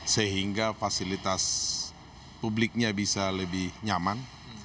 sehingga fasilitas publiknya bisa lebih nyaman